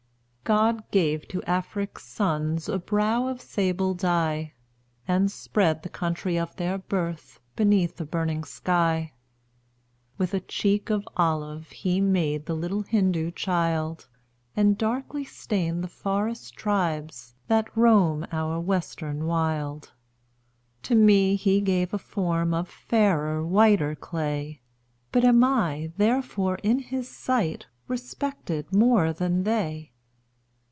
God gave to Afric's sons A brow of sable dye; And spread the country of their birth Beneath a burning sky. With a cheek of olive He made The little Hindoo child; And darkly stained the forest tribes, That roam our Western wild. To me He gave a form Of fairer, whiter clay; But am I, therefore, in his sight, Respected more than they?